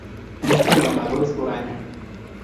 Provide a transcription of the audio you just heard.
Lista de ganadores por año.